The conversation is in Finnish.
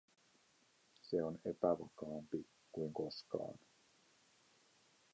Se on epävakaampi kuin koskaan.